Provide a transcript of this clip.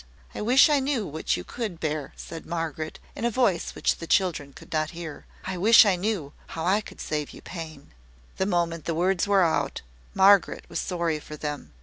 "I wish I knew what you could bear," said Margaret, in a voice which the children could not hear. "I wish I knew how I could save you pain." The moment the words were out, Margaret was sorry for them.